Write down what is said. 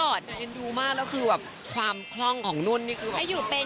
เอ็นดูมากแล้วคือแบบความคล่องของนุ่นนี่คืออายุเป็น